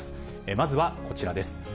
まずはこちらです。